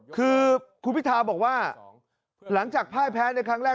คือคุณพิทาบอกว่าหลังจากพ่ายแพ้ในครั้งแรก